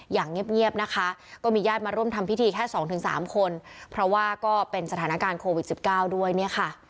อย่างเงียบนะคะก็มีญาติมาร่วมทำพิธีแค่สองถึงสามคนเพราะว่าก็เป็นสถานการณ์โควิด๑๙ด้วยเนี่ยค่ะ